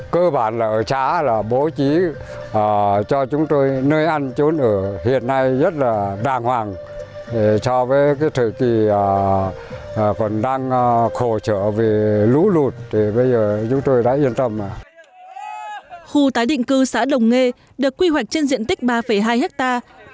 khu tái định cư xã đồng nghê được quy hoạch trên diện tích ba hai hectare